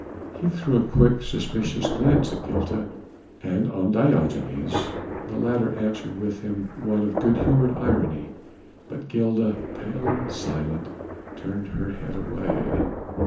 He threw a quick, suspicious glance on Gilda and on Diogenes, the latter answered him with one of good humoured irony, but Gilda pale and silent turned her head away.